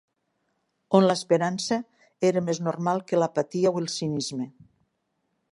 On l'esperança era més normal que l'apatia o el cinisme